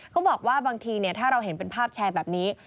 เขาบอกว่าบางทีถ้าเราเห็นเป็นภาพแชร์แบบนี้